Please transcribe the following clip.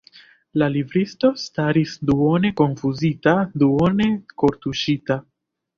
La libristo staris duone konfuzita, duone kortuŝita.